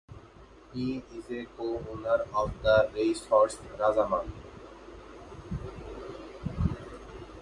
He is a co-owner of the racehorse Rasaman.